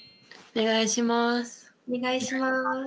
お願いします。